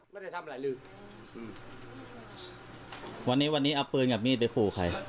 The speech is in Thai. ไม่ได้ทำอะไรเลยอืมวันนี้วันนี้เอาปืนกับมีดไปขู่ใคร